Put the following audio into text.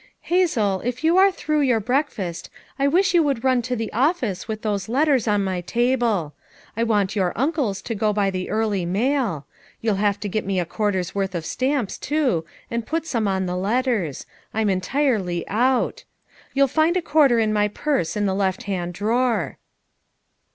"Hazel, if you are through your breakfast I wish you would run to the office with those let ters on my table. I want your uncle's to go by the early mail; you'll have to get me a quar ter's worth of stamps, too, and put some on the letters; I'm entirely out. You'll find a quarter in my purso in the left hand drawer."